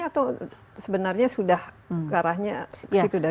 atau sebenarnya sudah ke arahnya dari dulu